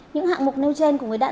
những hạng mục nâu trên của người đạn